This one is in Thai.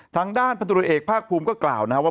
ทางด้านพันธุรกิจเอกภาคภูมิก็กล่าวนะครับว่า